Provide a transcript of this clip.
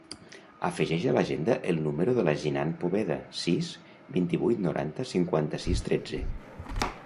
Afegeix a l'agenda el número de la Jinan Poveda: sis, vint-i-vuit, noranta, cinquanta-sis, tretze.